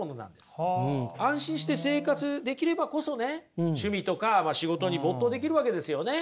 安心して生活できればこそね趣味とか仕事に没頭できるわけですよね。